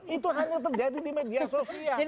itu hanya terjadi di media sosial